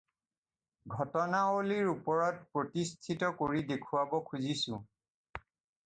ঘটনাৱলীৰ ওপৰত প্ৰতিষ্ঠিত কৰি দেখুৱাব খুজিছোঁ।